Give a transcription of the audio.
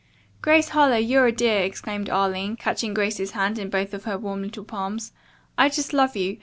"Grace Harlowe, you're a dear!" exclaimed Arline, catching Grace's hand in both of her warm little palms. "I just love you.